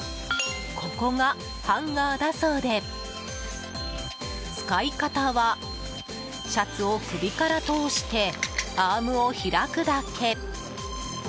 ここがハンガーだそうで使い方は、シャツを首から通してアームを開くだけ。